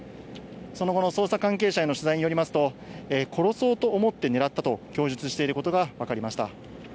その後の捜査関係者への取材によりますと、殺そうと思って狙ったと供述していることが分かりました。